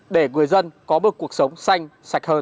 để người dân có một cuộc sống xanh sạch hơn